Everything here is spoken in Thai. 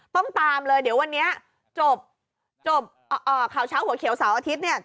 ต้องตามเลยเดี๋ยววันนี้จบข่าวเช้าหัวเขียวเสาร์อาทิตย์เนี่ย